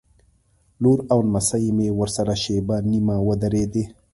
لور او نمسۍ مې ورسره شېبه نیمه ودرېدې.